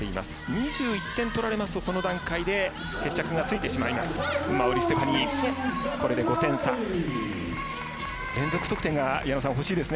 ２１点取られますと、その段階で決着がついてしまいます。